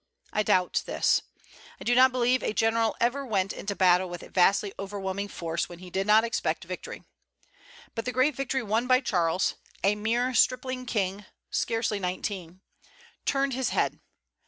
I doubt this. I do not believe a general ever went into battle with a vastly overwhelming force when he did not expect victory. But the great victory won by Charles (a mere stripling king, scarcely nineteen) turned his head.